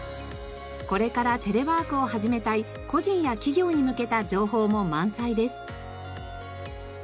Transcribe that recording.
これからテレワークを始めたい個人や企業に向けた情報も満載です。